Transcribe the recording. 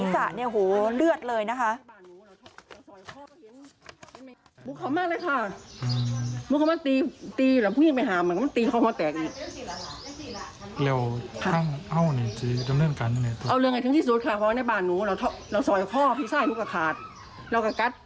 สระเนี่ยโหเลือดเลยนะคะ